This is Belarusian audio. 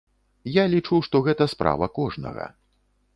Я лічу, што гэта справа кожнага.